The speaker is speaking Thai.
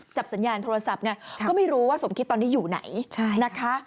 จับสัญญาณโทรศัพท์ไงก็ไม่รู้ว่าสมคิดตอนนี้อยู่ไหนนะคะ